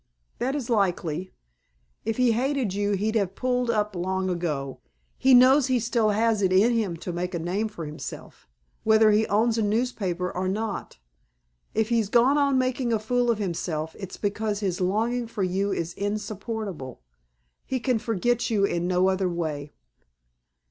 "That is likely! If he hated you he'd have pulled up long ago. He knows he still has it in him to make a name for himself, whether he owns a newspaper or not. If he's gone on making a fool of himself it's because his longing for you is insupportable; he can forget you in no other way."